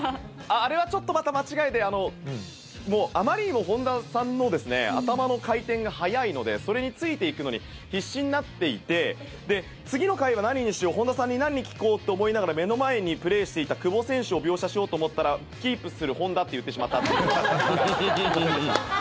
あれはちょっとまた間違えであまりにも本田さんの頭の回転が速いのでそれについていくのに必死になっていて次の回は何にしよう、本田さんに何聞こうと思いながら目の前にプレーしていた久保選手を描写しようと思ったらキープする本田と言ってしまったということがありました。